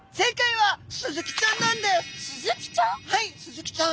はいスズキちゃん。